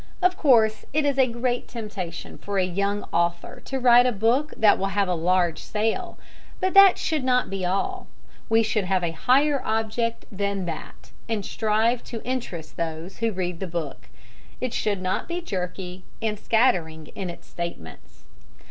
Of course it is a great temptation for a young author to write a book that will have a large sale; but that should not be all. We should have a higher object than that, and strive to interest those who read the book. It should not be jerky and scattering in its statements.